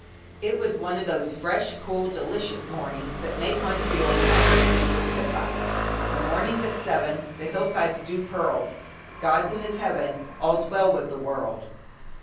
It was one of those fresh, cool, delicious mornings that make one feel inclined to sing with Pippa: "The morning's at seven, The hillside's dew pearled." "God's in His Heaven, all's well with the World."